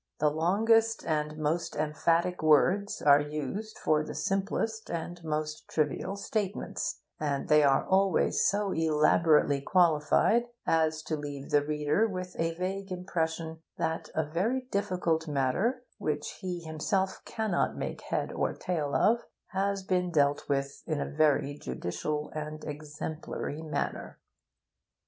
The longest and most emphatic words are used for the simplest and most trivial statements, and they are always so elaborately qualified as to leave the reader with a vague impression that a very difficult matter, which he himself cannot make head or tail of, has been dealt with in a very judicial and exemplary manner.